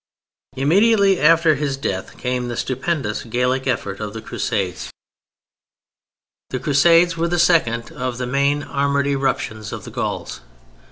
Immediately after his death came the stupendous Gallic effort of the Crusades. The Crusades were the second of the main armed eruptions of the Gauls.